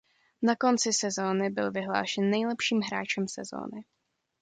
Na konci sezony byl vyhlášen nejlepším hráčem sezony.